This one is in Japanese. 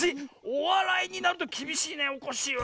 おわらいになるときびしいねおこっしぃは。